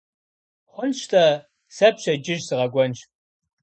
Хъунщ-тӀэ, сэ пщэдджыжь сыкъэкӀуэнщ.